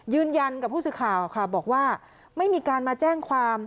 ยืนยันกับผู้สื่อข่าวค่ะบอกว่าไม่มีการมาแจ้งความ